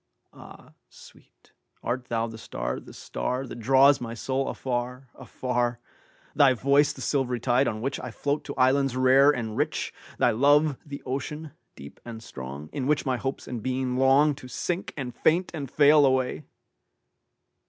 Ah, sweet, art thou the star, the starThat draws my soul afar, afar? Thy voice the silvery tide on whichI float to islands rare and rich? Thy love the ocean, deep and strong, In which my hopes and being longTo sink and faint and fail away?